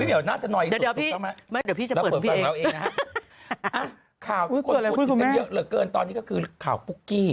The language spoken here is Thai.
บุ๊กกี้